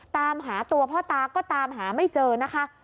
ตามหาตัวพ่อตาก็ตามหาไม่เจอนะคะ